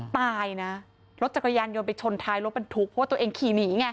ตายนะรถจักรยานยนต์ไปชนท้ายรถบรรทุกเพราะว่าตัวเองขี่หนีไง